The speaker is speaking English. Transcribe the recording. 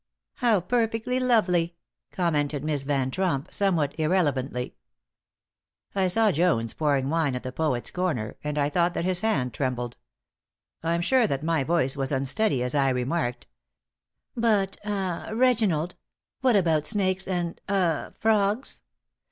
"How perfectly lovely," commented Miss Van Tromp, somewhat irrelevantly. I saw Jones pouring wine at the poet's corner, and I thought that his hand trembled. I'm sure that my voice was unsteady as I remarked: "But ah Reginald, what about snakes and ah frogs?